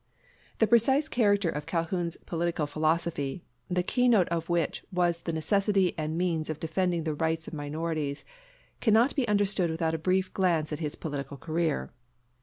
The precise character of Calhoun's political philosophy, the keynote of which was the necessity and means of defending the rights of minorities, cannot be understood without a brief glance at his political career.